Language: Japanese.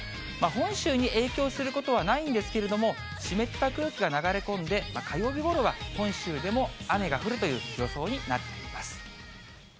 本州に影響することはないんですけれども、湿った空気が流れ込んで、火曜日ごろは本州でも雨が降るという予想になっています。